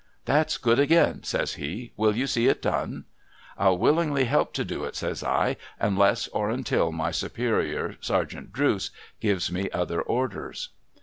' That's good again,' says he :' will you see it done ?'' ril willingly help to do it,' says I, * unless or until my superior, Sergeant Drooce, gives me other orders.'